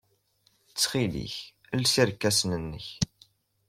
Ttxil-k, els irkasen-nnek.